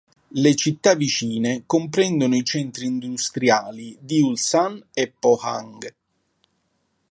Le città vicine comprendono i centri industriali di Ulsan e Pohang.